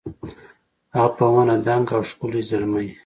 هغه په ونه دنګ او ښکلی زلمی